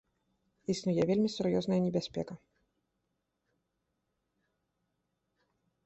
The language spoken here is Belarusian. Існуе вельмі сур'ёзная небяспека.